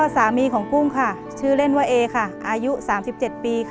รายการต่อไปนี้เป็นรายการทั่วไปสามารถรับชมได้ทุกวัย